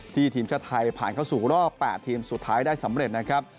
ทีมชาติไทยผ่านเข้าสู่รอบ๘ทีมสุดท้ายได้สำเร็จนะครับ